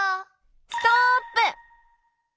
ストップ！